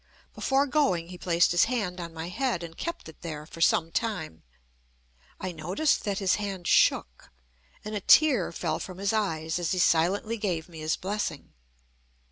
Before going he placed his hand on my head, and kept it there for some time. I noticed that his hand shook, and a tear fell from his eyes, as he silently gave me his blessing.